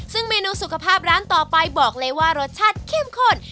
ซึ่งเมนูสุขภาพร้านต่อไปบอกเลยว่ารสชาติเข้มข้น